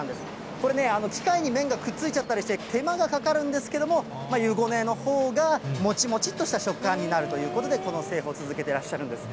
これね、機械に麺がくっついちゃったりして、手間がかかるんですけれども、湯ごねのほうがもちもちっとした食感になるということで、この製法を続けていらっしゃるんです。